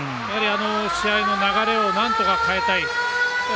試合の流れをなんとか変えたい。